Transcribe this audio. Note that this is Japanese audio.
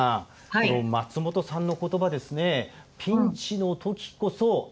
この松本さんの言葉ですね「ピンチの時こそ“遊び心”」。